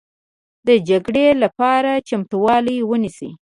د جګړې لپاره چمتوالی ونیسئ